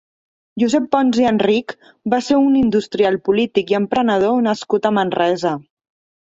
Josep Pons i Enrich va ser un industrial, polític i emprenedor nascut a Manresa.